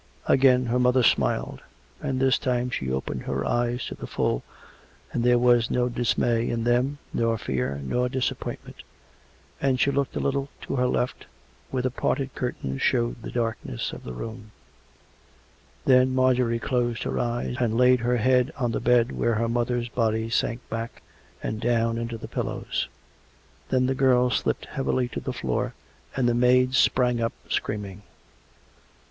Again her mother smiled — and this time she opened her eyes to the full, and there was no dismay in them, nor fear, nor disappointment; and she looked a little to her left, where the parted curtains showed the darkness of the room. ... Then Marjorie closed her eyes, and laid her head on the bed where her mother's body sank back and down into the , COME RACK! COME ROPE! Ipl pillows. Then the girl slipped heavily to the floor, and the maids sprang up screaming.